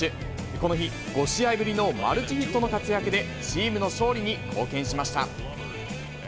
この日、５試合ぶりのマルチヒットの活躍で、チームの勝利に貢献しました。